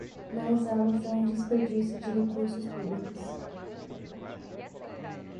Não usá-los é um desperdício de recursos públicos.